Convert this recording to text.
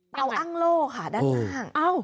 อ้างโล่ค่ะด้านล่าง